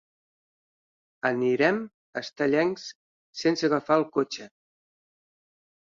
Anirem a Estellencs sense agafar el cotxe.